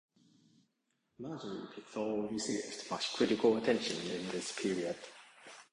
Marjorie Pickthall received much critical attention in this period.